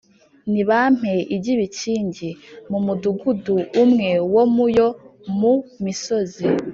nibampe igibikingi mu mudugudu umwe wo mu yo mu misozi